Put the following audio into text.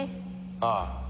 ああ。